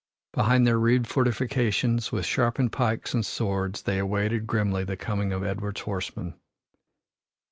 Behind their rude fortifications, with sharpened pikes and swords, they awaited grimly the coming of Edward's horsemen.